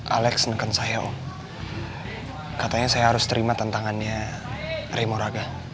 alex neken saya om katanya saya harus terima tantangannya ray moraga